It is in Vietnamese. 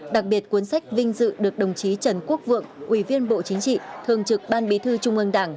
đặc biệt cuốn sách vinh dự được đồng chí trần quốc vượng ủy viên bộ chính trị thường trực ban bí thư trung ương đảng